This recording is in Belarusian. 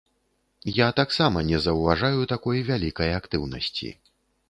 Я таксама не заўважаю такой вялікай актыўнасці.